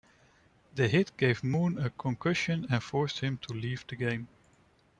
The hit gave Moon a concussion and forced him to leave the game.